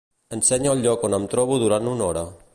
Ensenya el lloc on em trobo durant una hora.